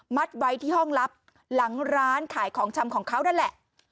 ไว้ที่ห้องลับหลังร้านขายของชำของเขานั่นแหละ